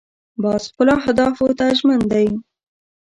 باز خپلو اهدافو ته ژمن دی